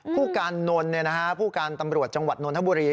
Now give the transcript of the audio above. ผู้การนนท์ผู้การตำรวจจังหวัดนนทบุรี